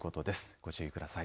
ご注意ください。